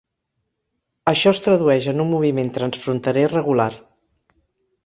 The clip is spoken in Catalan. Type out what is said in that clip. Això es tradueix en un moviment transfronterer regular.